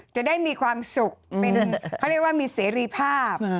จะได้มีความสุขเป็นเขาเรียกว่ามีเสรีภาพ